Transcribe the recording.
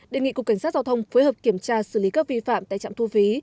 đề nghị cục cảnh sát giao thông phối hợp kiểm tra xử lý các vi phạm tại trạm thu phí